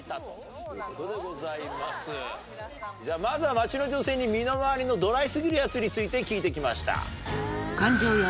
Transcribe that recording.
街の女性に身の周りのドライ過ぎるヤツについて聞いてきました。